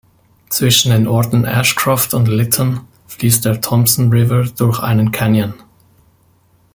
Zwischen den Orten Ashcroft und Lytton fließt der Thompson River durch einen Canyon.